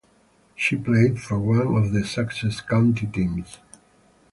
She played for one of the Sussex County teams.